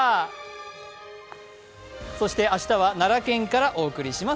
そして明日は奈良県からお届けします。